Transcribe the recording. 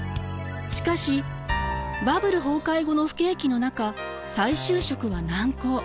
しかしバブル崩壊後の不景気の中再就職は難航。